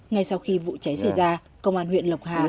ngay sau khi vụ cháy xảy ra công an huyện lộc hà